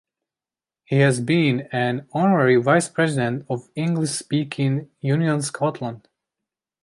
He has been an Honorary Vice-President of English-Speaking Union Scotland.